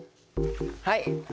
はい。